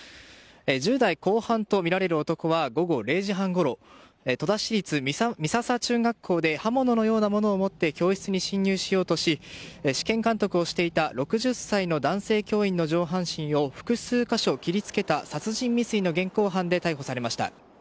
１０代後半とみられる男は午後０時半ごろ戸田市立美笹中学校で刃物のようなものを持って教室に侵入しようとし試験監督をしていた６０歳の男性教員の上半身を複数箇所切りつけた殺人未遂の現行犯で逮捕されました。